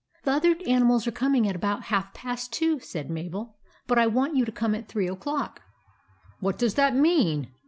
" The other animals are coming at about half past two," said Mabel ;" but I want you to come at three o'clock." " What does that mean